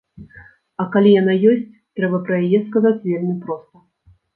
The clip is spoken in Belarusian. А калі яна ёсць, трэба пра яе сказаць вельмі проста.